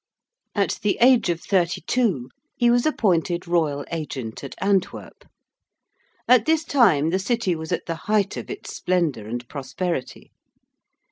] At the age of thirty two he was appointed Royal Agent at Antwerp. At this time the City was at the height of its splendour and prosperity.